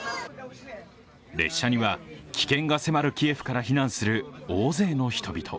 列車には危険が迫るキエフから避難する大勢の人々。